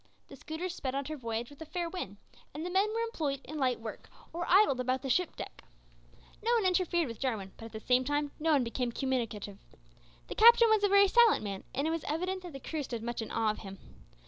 The schooner sped on her voyage with a fair wind, and the men were employed in light work, or idled about the deck. No one interfered with Jarwin, but at the same time no one became communicative. The captain was a very silent man, and it was evident that the crew stood much in awe of him.